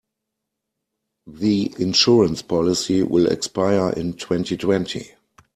The insurance policy will expire in twenty-twenty.